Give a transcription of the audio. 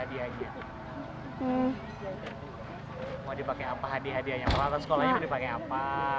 mau dipakai apa hadiah hadiahnya peralatan sekolahnya mau dipakai apa